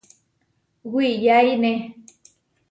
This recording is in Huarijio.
Wiyáine.